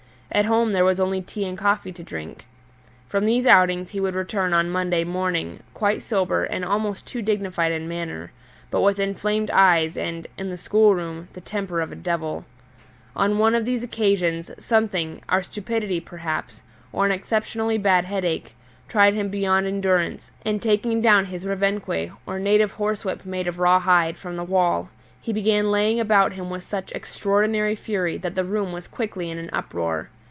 At home there was only tea and coffee to drink. From these outings he would return on Monday morning, quite sober and almost too dignified in manner, but with inflamed eyes and (in the schoolroom) the temper of a devil. On one of these occasions, something our stupidity perhaps, or an exceptionally bad headache tried him beyond endurance, and taking down his revenque, or native horse whip made of raw hide, from the wall, he began laying about him with such extraordinary fury that the room was quickly in an uproar.